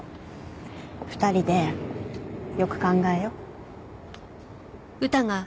２人でよく考えよう。